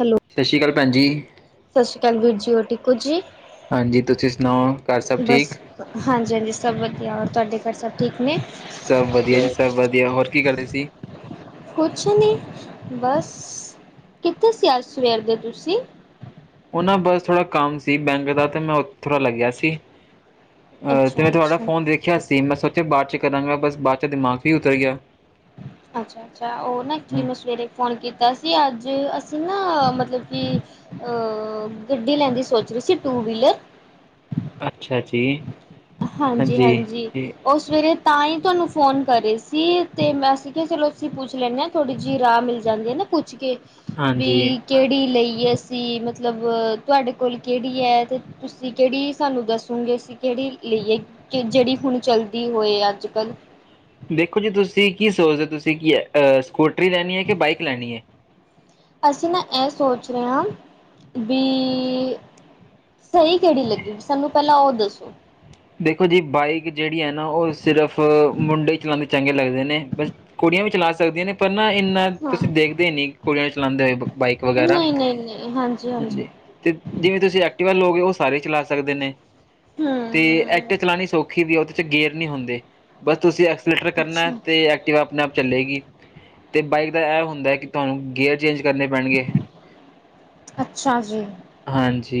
Hello ਸਤਿ ਸ਼੍ਰੀ ਅਕਾਲ, ਭੈਣ ਜੀ। ਸਤਿ ਸ਼੍ਰੀ ਅਕਾਲ ਵੀਰ ਜੀ, ਹੋਰ ਠੀਕ ਹੋ ਜੀ? ਹਾਂਜੀ ਤੁਸੀਂ ਸੁਣਾਓ ਘਰ ਸਭ ਬਸ ਠੀਕ? ਹਾਂਜੀ- ਹਾਂਜੀ ਸਭ ਵਧੀਆ, ਔਰ ਤੁਹਾਡੇ ਘਰ ਸਭ ਠੀਕ ਨੇ? ਸਭ ਵਧੀਆ ਜੀ- ਸਭ ਵਧੀਆ ਹੋਰ ਕੀ ਕਰਦੇ ਸੀ? ਕੁਛ ਨਹੀਂ ਬਸ, ਕਿੱਥੇ ਸੀ ਅੱਜ ਸਵੇਰ ਦੇ ਤੁਸੀਂ? ਉਹ ਨਾ ਬਸ ਥੋੜਾ ਕੰਮ ਸੀ ਬੈਂਕ ਦਾ ਤੇ ਮੈਂ ਥੋੜਾ ਲੱਗਿਆ ਸੀ। ਅਹ ਤੇ ਅੱਛਾ ਮੈਂ ਤੁਹਾਡਾ ਅੱਛਾ ਫੋਨ ਦੇਖਿਆ ਸੀ ਮੈਂ ਸੋਚਿਆ ਬਾਅਦ ਚ ਕਰਾਂਗਾ ਬਸ ਬਾਅਦ ਚ ਦਿਮਾਗ ਚੋ ਹੀ ਉਤਰ ਗਿਆ। ਅੱਛਾ- ਅੱਛਾ ਉਹ ਨਾ ਐਕਚੁਲੀ ਹਮ, ਮੈਂ ਸਵੇਰੇ ਫੋਨ ਕੀਤਾ ਸੀ ਅੱਜ ਅਸੀਂ ਨਾ ਮਤਲਬ ਕਿ, ਅ ਗੱਡੀ ਲੈਂਣ ਦੀ ਸੋਚ ਰਹੀ ਸੀ। Two wheeler. ਅੱਛਾ ਜੀ। ਹਾਂਜੀ- ਹਾਂਜੀ ਓ ਸਵੇਰੇ ਤਾਂ ਹੀ ਤੁਹਾਨੂੰ ਫੋਨ ਕਰ ਰਹੀ ਸੀ, ਅਤੇ ਮੈਂ ਸੀ ਕਿਹਾ ਚਲੋ ਅਸੀਂ ਪੁੱਛ ਲੈਂਦੇ ਹਾਂ, ਥੋੜੀ ਜਿਹੀ ਰਾਹ ਮਿਲ ਜਾਂਦੀ ਹੈ ਨਾ ਪੁੱਛ ਕੇ, ਹਾਂਜੀ ਬੀ ਕੇੜੀ ਲਈ ਏ ਅਸੀ ਮਤਲਬ ਤੋਆਡੇ ਕੋਲ ਕੇੜੀ ਐ, ਤੇ ਤੁਸੀ ਕੇੜੀ ਸਾਨੂੰ ਦੱਸੁਗੇ ਕਿਹੜੀ ਲਈਏ ਕਿ ਜਿਹੜੀ ਹੁਣ ਚੱਲਦੀ ਹੋਏ ਅੱਜ ਕੱਲ ਦੇਖੋ ਜੀ ਤੁਸੀਂ ਕੀ ਸੋਚਦੇ ਹੋ ਤੁਸੀਂ, ਕੀ ਸਕੂਟਰੀ ਲੈਣੀ ਹੈ ਕਿ ਬਾਈਕ ਲੈਣੀ ਹੈ। ਅਸੀਂ ਨਾ ਇਹ ਸੋਚ ਰਹੇ ਹਾਂ ਵੀ ਸਹੀ ਕਿਹੜੀ ਲੱਗੀ, ਸਾਨੂੰ ਪਹਿਲਾਂ ਉਹ ਦੱਸੋ ਦੇਖੋ ਜੀ ਬਾਈਕ ਜਿਹੜੀ ਹੈ ਨਾ, ਉਹ ਸਿਰਫ ਮੁੰਡੇ ਚਲਾਉਂਦੇ ਚੰਗੇ ਲੱਗਦੇ ਨੇ ਬਸ ਕੁੜੀਆਂ ਵੀ ਚਲਾ ਸਕਦੀਆਂ ਨੇ ਪਰ ਨਾ ਇੰਨਾ ਹਾਂ ਤੁਸੀਂ ਦੇਖਦੇ ਨਹੀਂ ਕੁੜੀਆਂ ਨੂੰ ਚਲਾਉਂਦੇ ਹੋਏ ਬਾਈਕ ਵਗੈਰਾ ਨਹੀਂ- ਨਹੀਂ, ਹਾਂਜੀ- ਹਾਂਜੀ ਤੇ ਜਿਵੇਂ ਤੁਸੀਂ ਐਕਟੀਵਾ ਲੋਗੇ ਉਹ ਸਾਰੇ ਚਲਾ ਸਕਦੇ ਨੇ ਹੂੰ ਤੇ ਐਕਟਿਵਾ ਚਲਾਉਣੀ ਸੌਖੀ ਵੀ ਉਹਦੇ 'ਚ ਗੇਰ ਨਹੀਂ ਹੁੰਦੇ ਬਸ ਤੁਸੀਂ ਐਕਸਲੇਟਰ ਕਰਨਾ ਅੱਛਾ, ਤੇ ਐਕਟਿਵਾ ਆਪਣੇ ਆਪ ਚੱਲੇਗੀ, ਅਤੇ ਬਾਈਕ ਦਾ ਇਹ ਹੁੰਦਾ ਕਿ, ਤੁਹਾਨੂੰ ਗੀਅਰ ਚੇਂਜ ਕਰਨੇ ਪੈਣਗੇ। ਅੱਛਾ ਜੀ ਹਾਂਜੀ,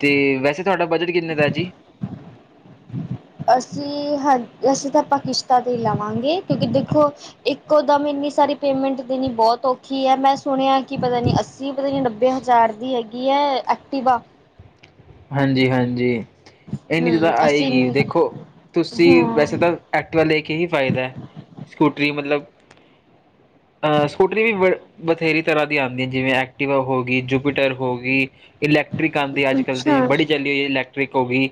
ਤੇ ਵੈਸੇ ਤੁਹਾਡਾ ਬਜਟ ਕਿੰਨੇ ਦਾ ਜੀ [unintelligible] ਅਸੀਂ ਹਾਂ, ਅਸੀਂ ਤਾਂ ਆਪਾਂ ਕਿਸ਼ਤਾਂ 'ਤੇ ਹੀ ਲਵਾਂਗੇ ਕਿਉਂਕਿ ਦੇਖੋ ਇੱਕੋ ਦਮ ਇੰਨੀ ਸਾਰੀ ਪੇਮੈਂਟ ਦੇਣੀ ਬਹੁਤ ਔਖੀ ਹੈ, ਮੈਂ ਸੁਣਿਆ ਕੀ ਪਤਾ ਨਹੀਂ ਅੱਸੀ, ਪਤਾ ਨਹੀਂ ਨੱਬੇ ਹਜ਼ਾਰ ਦੀ ਹੈਗੀ ਹੈ ਐਕਟੀਵਾ ਹਾਂਜੀ! ਹਾਂਜੀ! ਇੰਨੀ ਦੀ ਤਾਂ ਹੂੰ ਅਸੀਂ ਆਏਗੀ ਦੇਖੋ, ਤੁਸੀਂ ਵੈਸੇ ਹਾਂ ਤਾਂ ਐਕਟੀਵਾ ਲੇ ਕੀ ਹੀ ਫਾਇਦਾ ਹੈ, ਸਕੂਟਰੀ ਮਤਲਬ ਅਹ ਸਕੂਟਰੀ ਵੀ। ਬਥੇਰੀ ਤਰ੍ਹਾਂ ਦੀ ਆੰਦੀ ਜਿਵੇਂ ਐਕਟੀਵਾ ਹੋ ਗਈ, ਜੂਪੀਟਰ ਹੋ ਗਈ ਇਲੈਕਟ੍ਰਿਕ ਆਦੀਂ ਅਜ- ਕੱਲ ਅੱਛਾ ਤੇ ਬੜੀ ਚੱਲੀ ਹੋਈ ਇਲੈਕਟ੍ਰਿਕ ਹੋਗੀ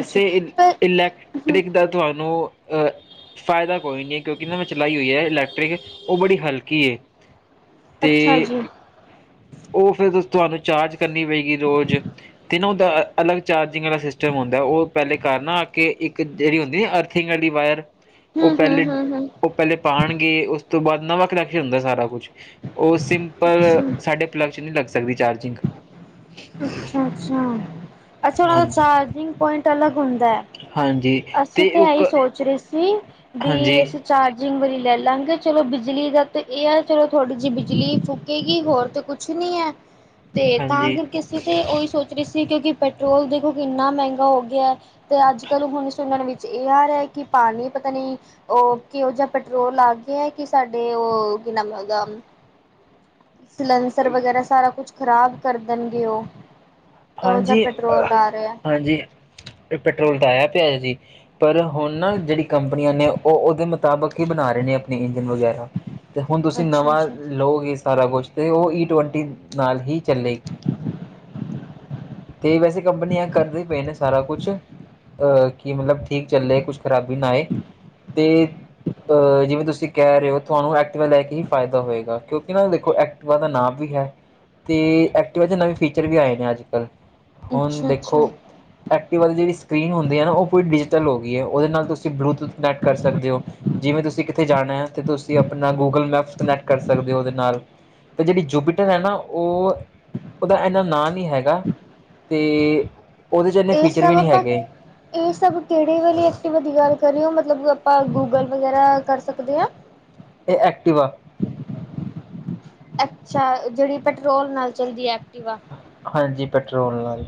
ਅੱਛਾ ਇ ਪਰ ਇਲੈਕਟ੍ਰਿਕ ਦਾ ਤੁਹਾਨੂੰ ਫਾਇਦਾ ਕੋਈ ਨਹੀਂ ਹੈ, ਕਿਉਂਕਿ ਨਾ ਮੈਂ ਚਲਾਈ ਹੋਈ ਹੈ, ਇਲੈਕਟ੍ਰਿਕ ਉਹ ਬੜੀ ਹਲਕੀ ਹੈ ਤੇ ਅੱਛਾ ਜੀ ਉਹ ਫਿਰ ਤੁਹਾਨੂੰ ਚਾਰਜ ਕਰਨੀ ਪਏਗੀ ਰੋਜ਼ ਤੇ ਨਾ ਉਹਦਾ ਅਲੱਗ ਚਾਰਜਿੰਗ ਵਾਲਾ ਸਿਸਟਮ ਹੁੰਦਾ ਉਹ ਪਹਿਲੇ ਘਰ ਨਾ ਆ ਕੇ ਇੱਕ ਜਿਹੜੀ ਹੁੰਦੀ ਨਾ ਅਰਥ ਅਰਥੀਗ ਆਲੀ ਵਾਇਰ ਉਹ ਹੂੰ ਹੂੰ ਪਹਿਲੇ ਹੂੰ ਹੂੰ ਉਹ ਪਹਿਲੇ ਪਾਣਗੇ ਉਸ ਤੋਂ ਬਾਅਦ ਨਵਾਂ ਕਨੈਕਸ਼ਨ ਹੁੰਦਾ ਸਾਰਾ ਕੁਛ ਉਹ ਸਿੰਪਲ ਅੱਛਾ ਸਾਡੇ ਪਲੱਗ 'ਚ ਨੀ ਲੱਗ ਸਕਦੀ ਚਾਰਜਿੰਗ ਅੱਛਾ! ਅੱਛਾ! ਅੱਛਾ! ਉਹਨਾਂ ਦਾ ਹਾਂਜੀ ਚਾਰਜਿੰਗ ਪੁਆਇੰਟ ਅਲੱਗ ਹੁੰਦਾ ਹੈ ਹਾਂਜੀ ਅਸੀਂ ਤੇ ਤਾਂ ਉਹ ਇਹੀ ਸੋਚ ਰਹੇ ਸੀ ਹਾਂਜੀ ਵੀ ਅਸੀਂ ਚਾਰਜਿੰਗ ਵਾਲੀ ਲੈ ਲਾਂਗੇ, ਚਲੋ ਬਿਜਲੀ ਦਾ ਤਾਂ ਇਹ ਆ ਚਲੋ ਥੋੜੀ ਜਿਹੀ ਬਿਜਲੀ ਫੂਕੇਗੀ ਹੋਰ ਤੇ ਕੁਛ ਨੀ ਹੈ ਤੇ ਤਾਂ ਹਾਂਜੀ ਕਰਕੇ ਅਸੀਂ ਤੇ ਉਹੀ ਸੋਚ ਰਹੀ ਸੀ, ਕਿਉਂਕਿ ਪੈਟਰੋਲ ਦੇਖੋ ਕਿੰਨਾ ਮਹਿੰਗਾ ਹੋ ਗਿਆ ਹੈ, ਤੇ ਅੱਜ- ਕੱਲ ਹੁਣ ਸੁਣਨ ਵਿੱਚ ਇਹ ਆ ਰਿਹਾ ਹੈ ਕਿ ਪਾਣੀ ਪਤਾ ਨਹੀਂ ਉਹ ਕਿਹੋ ਜਿਹਾ ਪੈਟਰੋਲ ਆ ਗਿਆ ਹੈ, ਕਿ ਸਾਡੇ ਉਹ ਕੀ ਨਾਮ ਉਹਦਾ ਸਲੈਂਸਰ ਵਗੈਰਾ ਸਾਰਾ ਕੁਛ ਖ਼ਰਾਬ ਕਰ ਦੇਣਗੇ ਉਹ ਉਹ ਜਿਹਾ ਹਾਂਜੀ! ਪੈਟਰੋਲ ਆ ਰਿਹਾ ਹਾਂਜੀ! ਇਹ ਪੈਟਰੋਲ ਤਾਂ ਆਇਆ ਪਿਆ ਜੀ ਪਰ ਹੁਣ ਨਾ ਜਿਹੜੀ ਕੰਪਨੀਆਂ ਨੇ ਉਹ ਉਹਦੇ ਮੁਤਾਬਕ ਹੀ ਬਣਾ ਰਹੇ ਨੇ ਆਪਣੇ ਇੰਜਨ ਵਗੈਰਾ ਤੇ ਹੁਣ ਤੁਸੀਂ ਅੱਛਾ ਨਵਾਂ ਅੱਛਾ ਲਓਗੇ ਸਾਰਾ ਕੁਛ ਤੇ ਉਹ ਈ ਟਵੰਟੀ ਨਾਲ ਹੀ ਚੱਲੇਗੀ ਤੇ ਵੈਸੇ ਕੰਪਨੀਆਂ ਕਰਦੇ ਪਏ ਨੇ ਸਾਰਾ ਕੁਛ ਅਹ ਕਿ ਮਤਲਬ ਠੀਕ ਚੱਲੇ ਕੁਛ ਖ਼ਰਾਬੀ ਨਾ ਆਏ ਤੇ ਅ ਜਿਵੇਂ ਤੁਸੀਂ ਕਹਿ ਰਹੇ ਹੋ, ਤੁਹਾਨੂੰ ਐਕਟਿਵਾ ਲੈ ਕੇ ਹੀ ਫਾਇਦਾ ਹੋਏਗਾ, ਕਿਉਂਕਿ ਨਾ ਦੇਖੋ ਐਕਟਿਵਾ ਦਾ ਨਾਮ ਵੀ ਹੈ ਤੇ ਐਕਟਿਵਾ 'ਚ ਨਵੇਂ ਫੀਚਰ ਵੀ ਆਏ ਨੇ ਅੱਜ- ਕੱਲ੍ਹ ਹੁਣ ਅੱਛਾ ਦੇਖੋ। ਅੱਛਾ ਐਕਟਿਵ ਵਾਲੀ ਜਿਹੜੀ ਸਕਰੀਨ ਹੁੰਦੀ ਹੈ ਨਾ, ਉਹ ਪੂਰੀ ਡਿਜੀਟਲ ਹੋ ਗਈ ਹੈ, ਉਹਦੇ ਨਾਲ ਤੁਸੀ ਬਲੂਟੂਥ ਕਨੈਕਟ ਕਰ ਸਕਦੇ ਹੋ ਜਿਵੇ ਤੁਸੀ ਕਿਤੇ ਜਾਣਾ ਹ ਤੇ, ਤੁਸੀ ਆਪਣਾ ਗੂਗਲ ਮੈਪ- ਕਨੈਟ ਕਰ ਸਕਦੇ ਹੋ ਉਹਦੇ ਨਾਲ, ਤੇ ਜਿਹੜੀ ਜੂਪੀਟਰ ਹੈ ਨਾ ਉਹ ਉਹਦਾ ਇਨਾ ਨਾਂ ਨਹੀ ਹੈਗਾ, ਅਤੇ ਉਹਦੇ 'ਚ ਇਨੇ ਇਹ ਫੀਚਰ ਸਭ ਵੀ ਨਹੀ ਆਪਾਂ ਹੈਗੇ ਇਹ ਸਭ ਕਿਹੜੇ ਵਾਲੇੇ, ਐਕਟਿਵ ਦੀ ਗੱਲ ਕਰ ਰਹੇ ਹੋ, ਮਤਲਬ ਆਪਾ ਗੂਗਲ ਵਗੈਰਾ, ਕਰ ਸਕਦੇ ਹਾਂ ਇਹ ਐਕਟੀਵਾ। ਅਛਾ, ਜਿਹੜੀ ਪੈਟਰੋਲ ਨਾਲ, ਚਲਦੀ ਹੈ। ਐਕਟਿਵਾ ਹਾਂਜੀ ਪੈਟਰੋਲ ਨਾਲ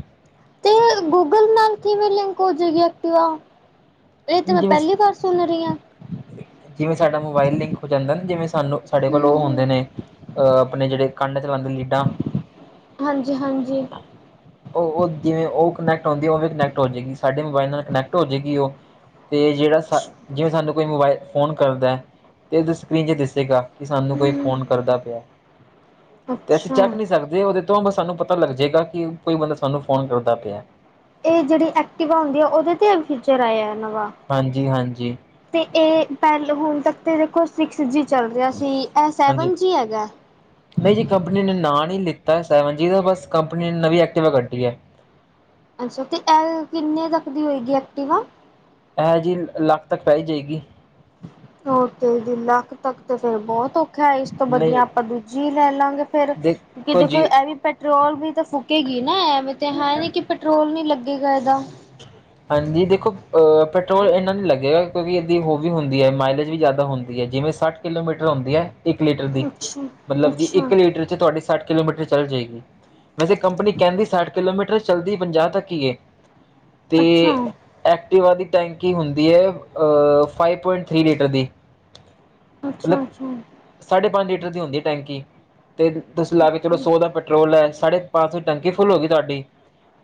ਤੇ ਗੂਗਲ ਨਾਲ ਕਿਵੇਂ ਲਿੰਕ ਹੋ ਜਾਏਗੀ ਐਕਟਿਵਾ, ਇਹ ਤੇ ਮੈ ਪਹਿਲੀ ਵਾਰ ਸੁਣ ਰਹੀ ਹਾਂ ਜਿਵੇ ਸਾਡਾ ਮੋਬਾਇਲ ਲਿਕ ਹੋ ਜਾਦਾ ਨਾ, ਜਿਵੇ ਸਾਨੂੰ ਸਾਡੇ ਹੂੰ ਕੋਲ ਉਹ ਹੁੰਦੇ ਹੂੰ ਨੇ ਅਹ ਆਪਣੇ ਜਿਹੜੇ ਕੰਨ ਚ, ਲਾਦੇ ਲੀਡਾ ਹਾਂਜੀ- ਹਾਂਜੀ ਉਹ- ਉਹ ਜਿਵੇ ਉਹ ਕਨੈਕਟ ਹੁੰਦੀ, ਉਹਵੇ ਵੀ ਕਨੈਕਟ ਹੋ ਜਾਏਗੀ ਸਾਡੇ ਮੋਬਾਇਲ ਨਾਲ, ਕਨੈਕਟ ਹੋ ਜਾਏਗੀ ਉਹ ਤੇ ਜਿਹੜਾ ਸਾਨੂੰ ਜਿਵੇ, ਸਾਨੂੰ ਕੋਈ ਮੋਬਾਇਲ ਫੋਨ ਕਰਦਾ, ਤੇ ਉਹ ਸਕਰੀਨ 'ਚ ਦੱਸੇਗਾ ਕਿ ਸਾਨੂੰ ਕੋਈ ਫੋਨ ਕਰਦਾ ਪਿਆ ਤੇ, ਅਸੀ ਅੱਛਾ। ਚਕ ਨਹੀ ਸਕਦੇ ਉਹਦੇ ਤੋਂ ਬਸ ਸਾਨੂੰ ਪਤਾ ਲਗ ਜਾਏਗਾ ਕਿ, ਕੋਈ ਬੰਦਾ ਸਾਨੂੰ ਫੋਨ ਕਰਦਾ ਪਿਆ ਇਹ ਜਿਹੜੀ ਐਕਟੀਿਵਾ ਹੁਦੀ ਆ, ਉਹਦੇ 'ਤੇ ਫਿਚਰ ਆਇਆ ਨਵਾ ਹਾਂਜੀ- ਹਾਂਜੀ ਤੇ ਇਹ ਪਹਿਲੌ ਹੁਣ ਤੱਕ ਤੇ, ਦੇਖੋ ਸਿਕਸ ਜੀ ਚਲ ਰਿਹਾ ਸੀ। ਇਹ ਸੈਵਨ ਜੀ ਹੈਗਾ ਮੈ ਜੀ ਕੰਪਨੀ ਨੇ ਨਾਮ ਨਹੀ ਲਿਤਾ, ਸੈਵਨ ਜੀਬਸ ਕੰਪਨੀ ਨੇ ਨਵੀ ਏਕਟਿਵਾ ਕੱਢੀ ਲਈ ਐ ਅੱਛਾ, ਤੇ ਐ ਕਿਨੇ ਤਕ ਦੀ ਹੋਏਗੀ ਐਕਟੀਿਵ ਆ? ਐ ਜੀ, ਲਖ ਤੱਕ ਪੈ ਹੀ ਜਾਏਗੀ ਉਹ ਤੇ ਦਿਨ ਲਖ ਤਕ, ਤੇ ਫੇਰ ਬਹੁਤ ਖੈਰ, ਇਸ ਤੋਂ ਵਧੀਆ ਨਹੀਂ ਆਪਾ ਦੂਜੀ ਲੈ ਲਵਾਗੇ, ਫੇਰ ਦੇਖੋ ਜਿਦੇ ਕੋਲ ਜੀ ਐ ਐਵੀ ਪ ਪੈਟਰੋਲ ਵੀ ਤਾਂ ਫੂਕੇਗੀ ਨਾ, ਐਵੇ ਤੇ ਹੈ। ਨੀ ਕਿ, ਪੈਟਰੋਲ ਨੀ ਲਗੇਗਾ ਇਹਦਾ ਹਾਂਜੀ, ਦੇਖੋ ਜੀ ਪੈਟਰੋਲ ਇਨਾ ਨਹੀ ਲਗੇਗਾ ਕਿਉਕਿ, ਇਹਦੀ ਹੋ ਵੀ ਹੁੰਦੀ ਹੈ ਮਾਈਲੇਜ ਵੀ, ਜਿਆਦਾ ਹੁੰਦੀ ਹੈ। ਜਿਵੇ ਸੱਠ ਕਿਲੋਮੀਟਰ ਹੁੰਦੀ ਹੈ, ਇਕ ਲੀਟਰ ਦੀ ਅੱਛਾ ਮਤਲਬ ਕਿ, ਅੱਛਾ ਇਕ ਲੀਟਰ 'ਚ ਤੁਹਾਡੀੇ ਸਠ ਕਿਲੋਮੀਟਰ, ਚੱਲ ਜਾਏਗੀ ਵੈਸੇ ਕੰਪਨੀ ਕਹਿੰਦੀ, ਸਾਠ ਕਿਲੋਮੀਟਰ ਚਲਦੀ ਪੰਜਾਹ ਤੱਕ ਏ ਤੇ ਅੱਛਾ ਐਕਟਿਵਾ ਦੀ ਟੈਕੀ ਹੁੰਦੀ ਏ, ਫਾਈਵ ਪੁਆਇੰਟ ਥ੍ਰੀ ਲੀਟਰ ਦੀ ਮਤਲਬ ਅੱਛਾ-ਅੱਛਾ ਸਾਢੇ ਪੰਜ ਲੀਟਰ ਦੀ ਹੁੰਦੀ ਟੈਕੀ, ਤੇ ਤੁਸੀ ਲਾ ਕੇ ਚਲੋ ਸੌ ਦਾ ਪੱ ਪਟਰੋਲ ਹੈ ਸਾਢੇ ਪੰਜ ਸੌ ਟੰਕੀ ਫੁੱਲ ਹੋ ਗਈ ਤੁਹਾਡੀ,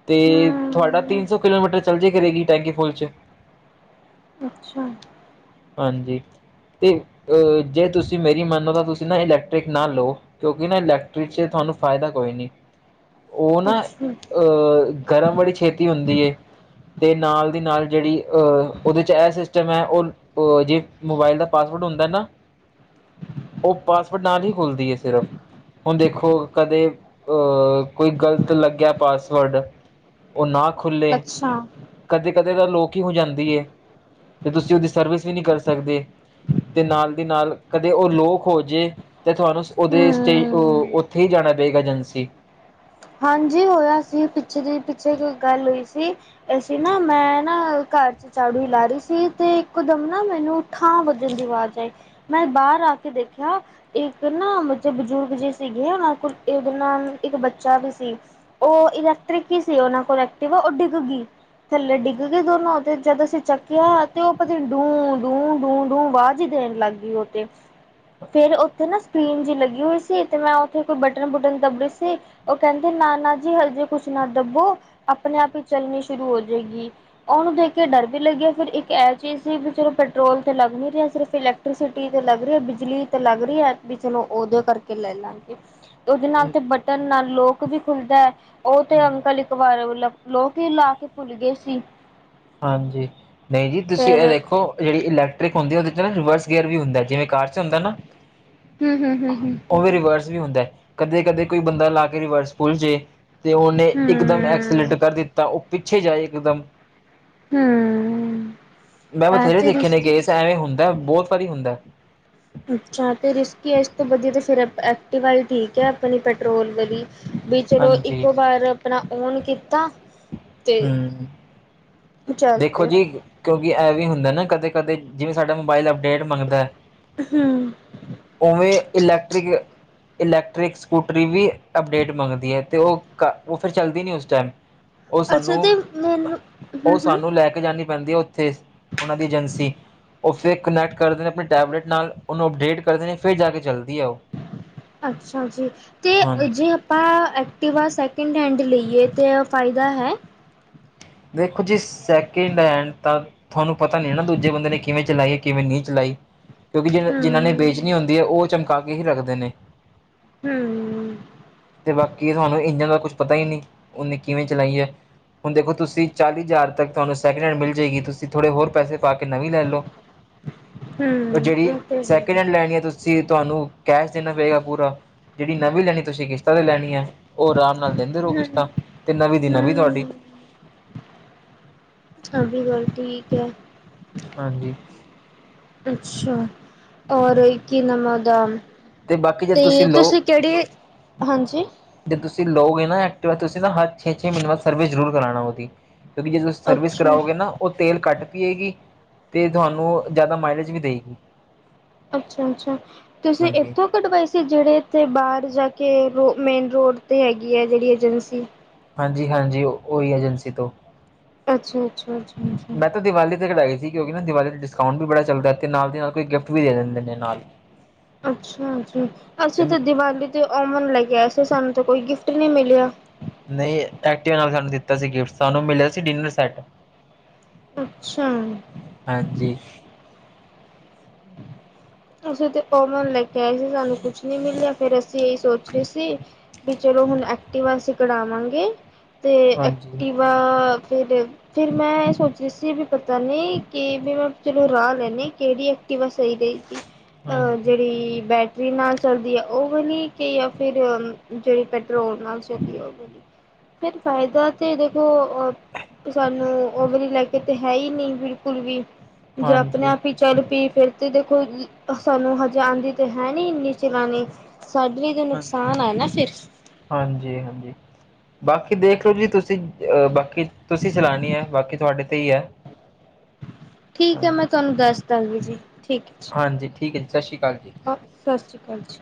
ਤੇ ਤੁਹਾਡਾ ਤਿੰਨ ਹਮ ਸੌ ਉਹ ਕੀ ਕਰੇਗੀ ਟੈਕੀ ਫੁੱਲ 'ਚ ਅੱਛਾ। ਹਾਂਜੀ, ਤੇ ਅ ਜੇ ਤੁਸੀ ਮੇਰੀ ਮੰਨੋ ਤਾਂ ਤੁਸੀ ਇਲੈਕਟ੍ਰਿਕ ਨਾ ਲਓ ਕਿਉਕਿ, ਇਲੈਕਟ੍ਰਿਕ 'ਚ ਤੁਹਾਨੂੰ ਫਾਇਦਾ ਕੋਈ ਨੀ ਉਹ ਨਾ ਅੱਛਾ ਅਹ, ਗਰਮ ਬੜੀ ਛੇਤੀ ਹੁੰਦੀ ਏ ਤੇ, ਨਾਲ ਦੀ ਨਾਲ ਜਿਹੜੀ ਉਹਦੇ 'ਚ ਇਹ ਸਿਸਟਮ ਏ ਉ ਉਹ ਜੇ ਮੋਬਾਇਲ ਦਾ, ਪਾਸਵਰਡ ਹੁੰਦਾ ਨਾ ਉਹ ਪਾਸਵਰਡ ਨਾਲ ਹੀ, ਖੁੱਲਦੀ ਹੈ ਸਿਰਫ ਹੁਣ ਦੇਖੋ, ਕਦੇ ਅਹ ਕੋਈ ਗਲਤ ਲਗਿਆ ਪਾਸਵਰਡ ਉਹ ਨਾ ਖੁਲੀ ਅੱਛਾ ਕਦੇ-ਕਦੇ ਤਾਂ ਲੋਕ ਹੀ ਹੋ ਜਾਦੀ ਏ, ਤੇ ਤੁਸੀ ਉਹਦੀ ਸਰਵਿਸ ਵੀ ਨਹੀ ਕਰ ਸਕਦੇ ਤੇ ਨਾਲ ਦੀ ਨਾਲ ਕਦੇ ਉਹ ਲੋਕ ਹੋ ਜੇ- ਤੇ ਤੁਹਾਨੂੰ ਉਹਦੇ ਸਟੇ ਹਮ ਉਥੇ ਹੀ ਜਾਣਾ ਪਏਗਾ ਏਜੰਸੀ। ਹਾਂਜੀ ਹੋਇਆ ਸੀ ਪਿਛੇ ਦੀ ਪਿਛੇ ਕੋ ਗੱਲ ਹੋਈ ਸੀ। ਅਸੀ ਨਾ ਮੈ ਨਾ ਘਰ- ਚਾੜੂ ਲਾ ਰਹੀ ਸੀ ਅਤੇ ਇੱਕਦਮ ਨਾ ਮੈਨੂੰ ਠਾਂ ਵੱਜਣ ਦੀ ਆਵਾਜ਼ ਆਈ। ਮੈਂ ਬਾਹਰ ਆ ਕੇ ਦੇਖਿਆ। ਇੱਕ ਨਾ ਬੱਚੇ ਬਜ਼ੁਰਗ ਜੇ ਸੀਗੇ ਆ ਉਹ ਕੋਲ ਇਹਦੇ ਨਾਲ ਇੱਕ ਬੱਚੇ ਬਾ ਵੀ ਸੀ। ਉਹ ਇਲੈਕਟ੍ਰਿਕ ਹੀ ਸੀ ਉਹਨਾਂ ਕੋਲ ਐਕਟਿਵ ਉਹ ਡਿੱਗ ਗਈ। ਥੱਲੇ ਡਿੱਗ ਗਏ ਦੋਨੋਂ ਤੇ ਜਦ ਅਸੀਂ ਚੱਕਿਆ ਤੇ ਉਹ ਪਤਾ ਡੂੰ- ਡੂੰ- ਡੂੰ -ਡੂੰ ਵਾਜ਼ ਹੀ ਦੇਣ ਲੱਗ ਗਯਾ। ਵੀ ਹੋਤੇ। ਫੇਰ ਉੱਥੇ ਨਾ ਸਕਰੀਨ ਜਿ ਲੱਗੀ ਹੋਈ ਸੀ ਤੇ ਮੈਂ ਉੱਥੇ ਕੋਈ ਬਟਨ- ਬੁਟਨ ਦੱਬੇ ਸੀ। ਉਹ ਕਹਿੰਦੇ ਨਾਨਾ ਜੀ ਹਜੇ ਕੁਛ ਨਾ ਦੱਬੋ ਆਪਣੇ ਆਪ ਹੀ ਚੱਲਣੀ ਸ਼ੁਰੂ ਹੋ ਜਾਏਗੀ। ਉਹਨੂੰ ਦੇਖ ਕੇ ਡਰ ਵੀ ਲੱਗਿਆ ਫਿਰਰ ਇੱਕ ਇਹ ਚੀਜ਼ ਸੀ ਵੀ ਚਲੋ ਪੈਟਰੋਲ ਤੇ ਲੱਗ ਨ ਨਹੀਂ ਰਿਹਾ ਸਿਰਫ ਇਲੈਕ ਐੈਕਟ੍ਰੀਸਿਟੀ ਤਾਂ ਲੱਗ ਰਹੀ ਹੈ ਬਿਜਲੀ ਤਾਂ ਲੱਗ ਰਹੀ ਹੈ ਵੀ ਚਲੋ ਉਦੇ ਕਰਕੇ ਲੈ ਲਵਾਂਗੇ। ਉਹਦੇ ਨਾਲ ਤੇ ਬਟਨ ਨਾਲ ਲੋਕ ਵੀ ਖੁੱਲਦਾ, ਉਹ ਤੇ ਅੰਕਲ ਇੱਕ ਬਾਰੇ ਮਤਲਬ ਲੋ ਕੇ ਲਾ ਕੇ ਭੁੱਲ ਗਏ ਸੀ। ਹਾਂਜੀ। ਨਹੀਂ ਜੀ, ਤੁਸੀਂ ਇਹ ਫੇਰ ਦੇਖੋ ਜਿਹੜੀ ਇਲੈਕਟ੍ਰਿਕ ਹੁੰਦੀ ਉਹਦੇ ਚ' ਨਾ ਰਿਵਰਸ ਗੀਅਰ ਵੀ ਹੁੰਦਾ ਜਿਵੇਂ ਕਾਰ। ਹਨਾ। ਹੂੰ ਹੂੰ ਹੂੰ ਉਹ ਵੀ ਰਿਵਰਸ ਵੀ ਹੁੰਦਾ। ਕਦੇ- ਕਦੇ ਕੋਈ ਬੰਦਾ ਲਾ ਕੇ ਰਿਵਰਸ ਭੁੱਲ ਜਾੇ, ਤੇ ਉਹਨੇ ਹੂੰ ਇੱਕਦਮ ਐਕਸ ਸਿਲੈਕਟ ਕਰ ਦਿੱਤਾ, ਉਹ ਪਿੱਛੇ ਜਾਏ ਇਕਦਮ। ਹੂ ਮੈਂ ਬਥੇਰੇ ਦੇਖੇ ਨੇ ਕੇਸ ਐਵੇਂ ਹੁੰਦਾ, ਬਹੁਤ ਵਾਰੀ ਹੁੰਦਾ। ਛਾ ਤਾਂ ਰਿਸਕੀ ਹੈ, ਇਸ ਤੋਂ ਵਧੀਆ ਤਾਂ ਫਿਰ ਐਕਟੀਿਵਾਈ ਠੀਕ ਹੈ ਆਪਣੀ ਪੈਟਰੋਲ ਵਾਲੀ। ਵੀ ਚਲੋ ਹਾਂਜੀ ਇੱਕੋ ਵਾਰ ਆਪਣਾ ਓਨ ਕੀਤਾ। ਤੇ ਹੂ ਚੱਲ ਦੇਖੋ ਪਏ ਜੀ, ਕਿਉਂਕਿ ਇਹ ਵੀ ਹੁੰਦਾ ਨਾ ਕਦੇ- ਕਦੇ ਜਿਵੇਂ ਸਾਡਾ ਮੋਬਾਇਲ ਅਪਡੇਟ ਮੰਗਦਾ ਹੈ। ਹੂ ਉਵੇਂ ਇਲੈਕਟ੍ਰਿਕ ਇਲੈਕਟ੍ਰਿਕ ਸਕੂਟਰੀ ਵੀ ਅਪਡੇਟ ਮੰਗਦੀ ਹੈ। ਅਤੇ ਉਹ- ਉਹ ਫਿਰ ਚੱਲਦੀ ਨਹੀਂ ਉਸ ਟਾਈਮ। ਉਹ ਅੱਛਾ ਸਾਨੂੰ ਤੇ ਮੈਨੂੰ ਉਹ ਹਮ ਹਮ ਸਾਨੂੰ ਲੈ ਕੇ ਜਾਣੀ ਪੈਂਦੀ ਹੈ ਉੱਥੇ ਉਹਨਾਂ ਦੀ ਏਜੰਸੀ। ਉਸੇ ਕੁਨੈਕਟ ਕਰਦੇ ਨੇ ਆਪਣੇ ਟੈਬਲੇਟ ਨਾਲ, ਉਹਨੂੰ ਅਪਡੇਟ ਕਰਦੇ ਨੇ ਫਿਰ ਜਾ ਕੇ ਚੱਲਦੀ ਹੈ ਉਹ। ਅੱਛਾ ਜੀ। ਤੇ ਹਾਂਜੀ ਜੇ ਆਪਾਂ ਐਕਟੀਿਵਾ ਸੈਕਿੰਡ ਹੈਂਡ ਲਈਏ ਤਾਂ ਫਾਇਦਾ ਹੈ। ਦੇਖੋ ਜੀ, ਸੈਕਿੰਡ ਹੈਂਡ ਤਾਂ ਤੁਹਾਨੂੰ ਪਤਾ ਨ ਨਾ ਦੂਜੇ ਬੰਦੇ ਨੇ ਕਿਵੇਂ ਚਲਾਈ ਹੈ, ਕਿਵੇਂ ਨਹੀਂ ਚਲਾਈ। ਕਿਉਂਕਿ ਜਿ ਜਿਹਨ੍ਹਾਂ ਨੇ ਹਮ ਵੇਚਣੀ ਹੁੰਦੀ ਹੈ ਉਹ ਚਮਕਾ ਕੇ ਹੀ ਰੱਖਦੇ ਨੇ। ਹੂ ਅਤੇ ਬਾਕੀ ਤੁਹਾਨੂੰ ਇੰਜਣ ਦਾ ਕੁਛ ਪਤਾ ਹੀ ਨਹੀਂ, ਉਹਨੇ ਕਿਵੇਂ ਚਲਾਈ ਹੈ। ਹੁਣ ਦੇਖੋ ਤੁਸੀਂ ਤਹੀ- ਚਾਲੀ ਹਜ਼ਾਰ ਤੱਕ ਤੁਹਾਨੂੰ ਸੈਕਿੰਡ ਹੈਂਡ ਮਿਲ ਜਾਏਗੀ। ਤੁਸੀ ਥੋੜੇ ਹੋਰ ਪੈਸੇ ਪਾ ਕੇ ਨੀਂ ਲੈ ਲਓ। ਉਹ ਹਮ ਜਿਹੜੀ ਤੇ ਹੈ ਸੈਕਿੰਡ ਹੈਂਡ ਲੈਣੀ ਆ ਤੁਸੀਂ ਅਂ ਤੁਹਾਨੂੰ ਕੈਸ਼ ਦੇਣਾ ਪਏਗਾ ਪੂਰਾ। ਜਿਹੜੀ ਨਵੀਂ ਲੈਣੀ ਤੁਸੀਂ ਕਿਸ਼ਤਾਂ ਤੇ ਲੈਣੀ ਹੈ। ਉਹ ਆਰਾਮ ਨਾਲ ਦਿੰਦੇ ਰਹੋ ਹਮ ਕਿਸ਼ਤਾਂ। ਤੇ ਨਵੀਂ ਦੀ ਨਵੀ ਤੁਹਾਡੀ। ਤੁਹਾਡੀ ਗੱਲ ਠੀਕ ਹੈ। ਹਾਂਜੀ। ਅੱਛਾ, ਔਰ ਕੀ ਨਾਮ ਹੈ ਉਦਾ? ਤੇ ਬਾਕੀ ਜੇ ਤੇ ਲਓ ਤੁਸੀਂ ਕਿਹੜੀ ਹਾਂਜੀ। ਜੇ ਤੁਸੀਂ ਲੋਗਾਏ ਨਾ ਐਕਟਿਵਾ ਤੁਸੀਂ ਨਾ ਹਰ ਛੇ-ਛੇ ਮਿਹਨੇ ਬਾਅਦ ਸਰਵਿਸ ਜ਼ਰੂਰ ਕਰਾਣਾ ਉਹਦੀ। ਵਧੀਆ ਜੇ ਤੁਸੀਂ ਸਰਵਿਸ ਅੱਛਾ ਕਰਓਗੇ ਨਾ ਉਹ ਤੇਲ ਕੱਟ ਪੀਏਗੀ ਅਤੇ ਤੁਹਾਨੂੰ ਜ਼ਿਆਦਾ ਮਾਈਲੇਜ ਵੀ ਦੇਅਗਈ। ਅੱਛਾ -ਅੱਛਾ ਤੁਸੀਂ ਹਾਂਜੀ ਇੱਥੋਂ ਕਟਵਾਈ ਸੀ ਜਿਹੜੇ ਇੱਥੇ ਬਾਹਰ ਜਾ ਕੇ ਮੇਨ ਰੋਡ ਤੇ ਹੈਗੀ ਆ ਜਿਹੜੀ ਏਜੰਸੀ? ਹਾਂਜੀ- ਹਾਂਜੀ ਉਹੀ ਏਜੰਸੀ ਤੋਂ। ਅੱਛਾ- ਅੱਛਾ -। ਮੈਂ ਤੇ ਦੀਵਾਲੀ ਤੇ ਕਢਾਈ ਸੀ ਕਿਉਂਕਿ ਨਾ ਦੀਵਾਲੀ ਤੇ ਡਿਸਕਾਊਂਟ ਵੀ ਬੜਾ ਚੱਲਦਾ ਤੇ ਨਾਲ ਦੀ ਨਾਲ ਕੋਈ ਗਿਫਟ ਵੀ ਦੇ ਦਿੰਦੇ ਨੇ ਨਾਲ [inaudible] [inaudible] ਅੱਛਾ ਜੀ ਅਸੀਂ ਤਾਂ ਤੇ ਦੀਵਾਲੀ ਤੇ ਔਵਨ ਲੈਕੇ ਆਏ ਸੀੇ, ਸਾਨੂੰ ਤਾਂ ਕੋਈ ਗਿਫ਼ਟ ਨਹੀ ਮਿਲਿਆ। ਨਹੀਂ ਐਕਟਿਵਾ ਨਾਲ ਸਾਨੂੰ ਦਿੱਤਾ ਸੀ ਗਿਫਟ, ਸਾਨੂੰ ਮਿਲਿਆ ਸੀ ਡਿਨਰ ਸੈਟ। ਅੱਛਾ। ਹਾਂਜੀ। ਅਸੀ ਤੇ ਔਵਨ ਲੈ ਕੇ ਆਏ ਸੀ ਸਾਨੂੰ ਕੁਝ ਨਹੀਂ ਮਿਲਿਆ ਫਿਰ ਅਸੀ ਏਹੀ ਸੋਚ ਰਹੇ ਸੀ ਵੀ ਚਲੋ ਹੁਣ ਐਕਟਿਵਾ ਅਸੀਂ ਕਡਾਵਾਂਗੇ ਤੇ ਹਾਂਜੀ ਐਕਟਿਵਾ ਫੇਰ ਦੇਖ ਫਿਰ ਮੈਂ ਇਹ ਸੋਚ ਰਹੀ ਸੀ ਵੀ ਪਤਾ ਨਹੀ ਕਿ ਵੀ ਮੈਂ ਚਲੋ ਰਾਹ ਲੈਨੀ ਕੇਹੜੀ ਐਕ ਟਿਵਾ ਸਹੀ ਰਹੇਗੀ ਅਹ ਹਾਂਜੀ ਜਿਹੜੀ ਬੈਟ ਰੀ ਨਾਲ ਚਲਦੀ ਹੈ ਉਹ ਵਾਲੀ ਕਿ ਜਾਂ ਫਿਰ ਜਿਹੜੀ ਪੈਟਰੋਲ ਨਾਲ ਚਲਦੀ ਉਹ ਵਾਲੀ। ਫਿਰ ਫ਼ਾਇਦਾ ਤੇ ਦੇਖੋ ਅ ਸਾਨੂੰ ਉਵੇਰੀ ਲੈਕੇ ਤੇ ਹੈ ਹੀ ਨਹੀ ਬਿਲਕੁਲ ਵੀ ਜਾ ਅਪਣੇ ਹਾਂਜੀ ਆਪ ਹੀ ਚੱਲ ਪਈ ਫਿਰ ਤੇ ਦੇਖੋ ਸਾਨੂੰ ਹਜੇ ਆਂਦੀ ਤੇ ਹੈ ਨੀ ਇੰਨੀ ਚਲਾਣੀ, ਸਾਡੇ ਲਈ ਤੇ ਹਾਂ ਨੁਕਸਾਨ ਹੈ ਨਾ ਫਿਰ ਹਾਂਜੀ- ਹਾਂਜੀ, ਬਾਕੀ ਦੇਖ ਲੋ ਜੀ ਤੁਸੀ। ਬਾਕੀ ਤੁਸੀ ਚਲਾਨੀ ਏ, ਬਾਕੀ ਤੁਹਾਡੇ ਤੇ ਹੀ ਹੈ। ਠੀਕ ਹੈ ਹਾਂਜੀ ਮੈਂ ਤੁਹਾਨੂੰ ਦੱਸ ਦਵਾਂਗੀ ਜੀ। ਠੀਕ ਹੈ ਜੀ। ਹਾਂਜੀ ਠੀਕ ਹੈ ਜੀ ਸਤਿ ਸ਼੍ਰੀ ਅਕਾਲ ਜੀ ਸਤਿ ਸ਼੍ਰੀ ਅਕਾਲ ਜੀ।